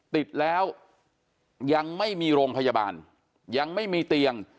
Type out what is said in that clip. ติดแล้วยังไม่มีโรงพยาบาลยังไม่มีเตียง